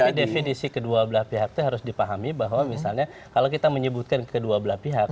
tapi definisi kedua belah pihak itu harus dipahami bahwa misalnya kalau kita menyebutkan kedua belah pihak